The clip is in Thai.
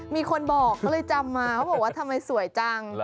มีคนบอกก็เลยจำมาเขาบอกว่าทำไมสวยจัง